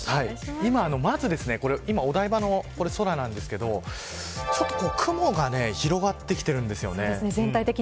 まず今、お台場の空なんですけどちょっと雲が広がってきているんですよね。